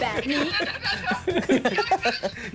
แบบนี้